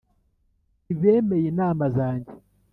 Ntibemeye inama zanjye